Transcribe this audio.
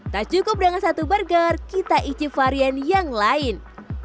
tak cukup dengan satu burger kita icip varian yang lain